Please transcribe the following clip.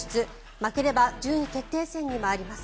負ければ順位決定戦に回ります。